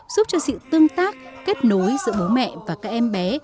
giúp cho sự tương tác kết nối giữa bố mẹ và các em bé